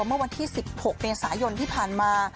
เมื่อวันที่๑๖เมษายนที่ผ่านมา